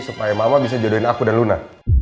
supaya mama bisa jodohin aku dan luna